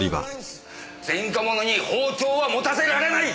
前科者に包丁は持たせられない！